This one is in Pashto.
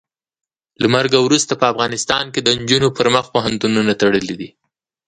له مرګه وروسته په افغانستان کې د نجونو پر مخ پوهنتونونه تړلي دي.